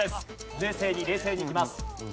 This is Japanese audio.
冷静に冷静にいきます。